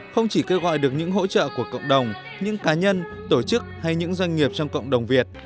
không chỉ kêu gọi được những hỗ trợ của cộng đồng những cá nhân tổ chức hay những doanh nghiệp trong cộng đồng việt